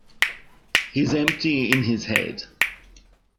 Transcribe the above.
He's empty in his head.